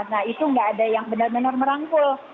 nah itu nggak ada yang benar benar merangkul